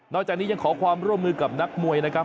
จากนี้ยังขอความร่วมมือกับนักมวยนะครับ